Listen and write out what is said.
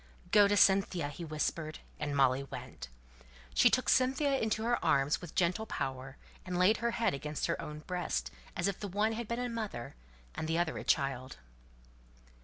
"Go to Cynthia!" he whispered, and Molly went. She took Cynthia into her arms with gentle power, and laid her head against her own breast, as if the one had been a mother, and the other a child.